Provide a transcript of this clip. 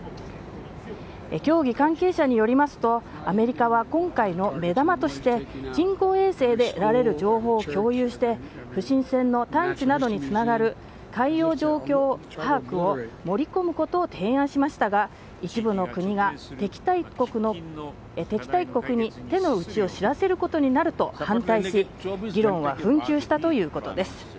協議関係者によりますと、アメリカは今回の目玉として、人工衛星で得られる情報を共有して、不審船の探知などにつながる海洋状況把握を盛り込むことを提案しましたが、一部の国が、敵対国に手の内を知らせることになると反対し、議論は紛糾したということです。